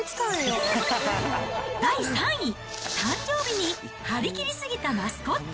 第３位、誕生日に張り切り過ぎたマスコット。